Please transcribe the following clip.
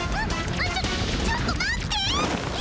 あっちょっと待って。